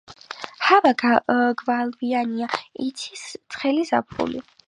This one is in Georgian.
ჰავა გვალვიანია, იცის ცხელი ზაფხული.